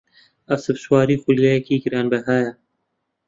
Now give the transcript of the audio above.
ئەسپسواری خولیایەکی گرانبەهایە.